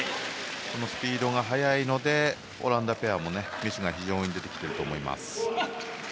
このスピードが速いのでオランダペアもミスが非常に出てきていると思います。